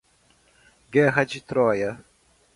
Guerra de Troia